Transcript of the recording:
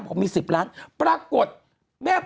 คุณหนุ่มกัญชัยได้เล่าใหญ่ใจความไปสักส่วนใหญ่แล้ว